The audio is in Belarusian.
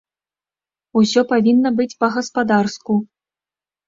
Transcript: Усё павінна быць па-гаспадарску.